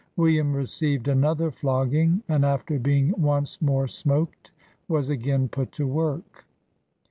William received another flogging, and after beincr once more smoked, was aeain CO O? O i o put to work.